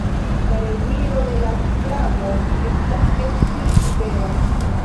La deziro de la sklavo estas esti libera.